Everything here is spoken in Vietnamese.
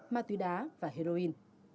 ma túy đá và heroin